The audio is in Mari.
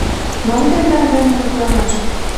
— Мом тендан дене мутланаш?